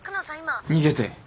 逃げて。